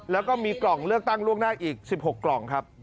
แล้วก็มีกล่องเลือกตั้งล่วงหน้าอีก๑๖กล่องครับ